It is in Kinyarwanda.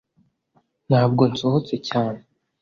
ntabwo nsohotse cyane